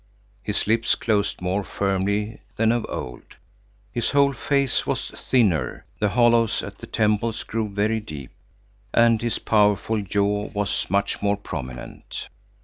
His lips closed more firmly than of old, his whole face was thinner, the hollows at the temples grew very deep, and his powerful jaw was much more prominent.